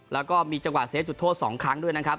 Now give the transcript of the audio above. แล้วก็มีจังหวะเซฟจุดโทษ๒ครั้งด้วยนะครับ